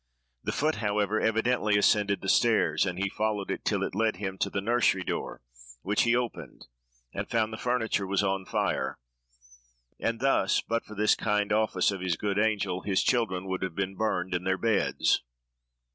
The foot, however, evidently ascended the stairs, and he followed it, till it led him to the nursery door, which he opened, and found the furniture was on fire; and thus, but for this kind office of his good angel, his children would have been burned in their beds.